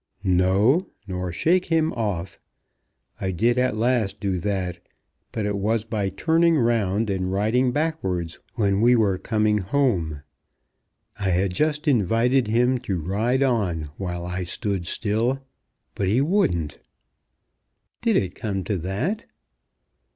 "No; nor shake him off. I did at last do that, but it was by turning round and riding backwards when we were coming home. I had just invited him to ride on while I stood still, but he wouldn't." "Did it come to that?"